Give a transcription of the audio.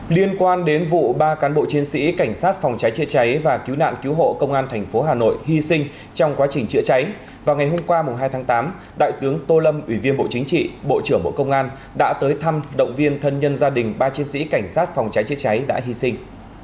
liên quan đến vụ ba cán bộ chiến sĩ cảnh sát phòng cháy chữa cháy và cứu nạn cứu hộ công an tp hà nội hy sinh trong quá trình chữa cháy vào ngày hôm qua hai tháng tám đại tướng tô lâm ủy viên bộ chính trị bộ trưởng bộ công an đã tới thăm động viên thân nhân gia đình ba chiến sĩ cảnh sát phòng cháy chữa cháy đã hy sinh